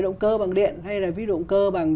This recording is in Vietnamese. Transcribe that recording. động cơ bằng điện hay là ví động cơ bằng